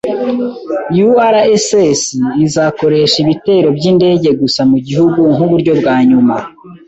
URSS izakoresha ibitero byindege gusa mugihugu nkuburyo bwa nyuma.